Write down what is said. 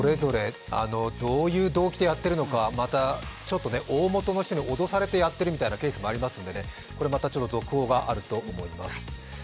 出し子が、それぞれどういう動機でやっているのかまた、ちょっと大元の人に脅されてやっていたというケースもありますから、これまた続報があると思います。